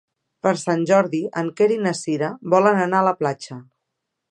Per Sant Jordi en Quer i na Cira volen anar a la platja.